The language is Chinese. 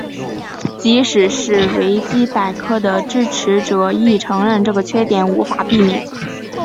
即使是维基百科的支持者亦承认这个缺点无法避免。